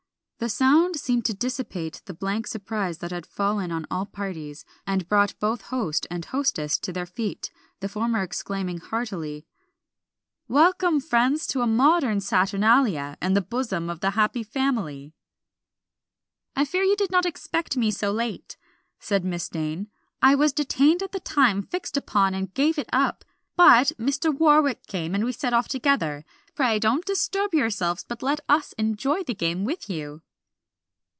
The sound seemed to dissipate the blank surprise that had fallen on all parties, and brought both host and hostess to their feet, the former exclaiming, heartily "Welcome, friends, to a modern saturnalia and the bosom of the Happy Family!" "I fear you did not expect me so late," said Miss Dane. "I was detained at the time fixed upon and gave it up, but Mr. Warwick came, and we set off together. Pray don't disturb yourselves, but let us enjoy the game with you."